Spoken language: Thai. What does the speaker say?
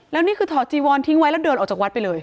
แล้วนี่คือถอดจีวอนทิ้งไว้แล้วเดินออกจากวัดไปเลย